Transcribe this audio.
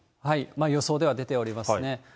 予想では出ておりますね。